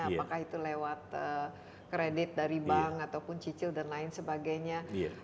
apakah itu lewat kredit dari bank ataupun cicil dan lain sebagainya